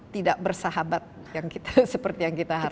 tidak bersahabat yang seperti yang kita harapkan